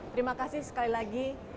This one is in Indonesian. terima kasih sekali lagi